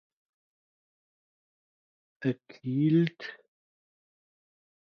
(de Kilt)